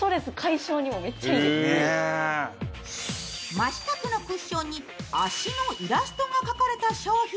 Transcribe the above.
真四角のクッションに足のイラストが描かれた商品。